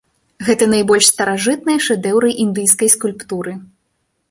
Гэта найбольш старажытныя шэдэўры індыйскай скульптуры.